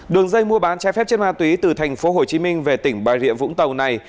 đường dây mua bán trái phép chất ma túy từ tp hcm về tỉnh bà địa vũng tàu này